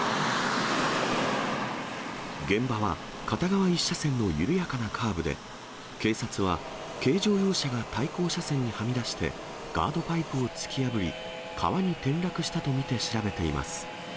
現場は片側１車線の緩やかなカーブで、警察は、軽乗用車が対向車線にはみ出して、ガードパイプを突き破り、川に転落したと見て調べています。